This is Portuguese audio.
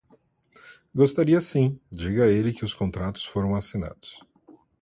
Gostaria sim. Diga a ele que os contratos foram assinados.